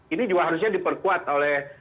ini juga harusnya diperkuat oleh